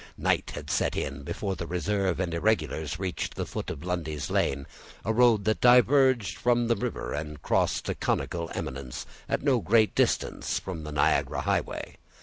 Night had set in before the reserve and irregulars reached the foot of Lundy's Lane, a road that diverged from the river and crossed a conical eminence, at no great distance from the Niagara highway.